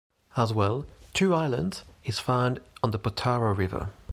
As well, 'Two Islands' is found on the Potaro River.